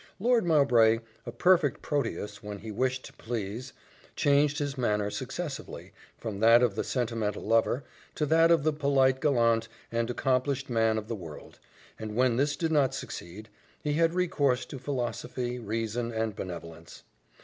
Lord Mowbray, a perfect Proteus when he wished to please, changed his manner successively from that of the sentimental lover, to that of the polite gallant and accomplished man of the world; and when this did not succeed, he had recourse to philosophy, reason, and benevolence.